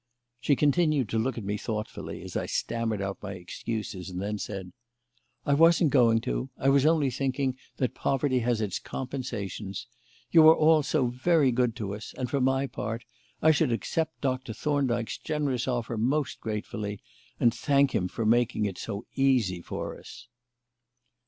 She continued to look at me thoughtfully as I stammered out my excuses, and then said: "I wasn't going to. I was only thinking that poverty has its compensations. You are all so very good to us; and, for my part, I should accept Doctor Thorndyke's generous offer most gratefully, and thank him for making it so easy for us."